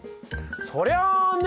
そりゃあね